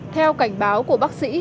theo cảnh báo của bác sĩ